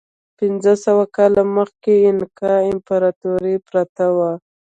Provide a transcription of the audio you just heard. پنځه سوه کاله مخکې اینکا امپراتورۍ پرته وه.